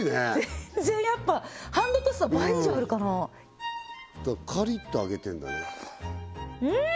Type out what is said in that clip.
全然やっぱハンドトスの倍以上あるカリッと揚げてんだねうん！